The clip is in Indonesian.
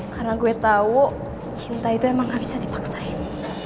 karena gue tau cinta itu emang gak bisa dipaksain